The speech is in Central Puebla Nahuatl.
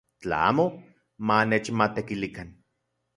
Tla amo manechmatekilikan.